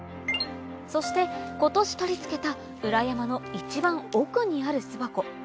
そして今年取り付けた裏山の一番奥にある巣箱